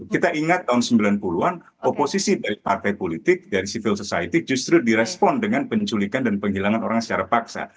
kita ingat tahun sembilan puluh an oposisi dari partai politik dari civil society justru direspon dengan penculikan dan penghilangan orang secara paksa